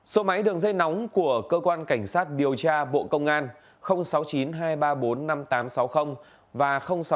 số máy đường dây nóng của cơ quan cảnh sát điều tra bộ công an sáu mươi chín hai trăm ba mươi bốn năm nghìn tám trăm sáu mươi và sáu mươi chín hai trăm ba mươi một một nghìn sáu trăm